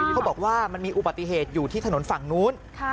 เขาบอกว่ามันมีอุบัติเหตุอยู่ที่ถนนฝั่งนู้น